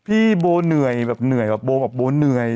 พี่โบเหนื่อยแบบเหนื่อยแบบโบแบบโบเหนื่อย